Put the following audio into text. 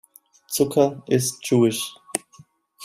Zucker is Jewish.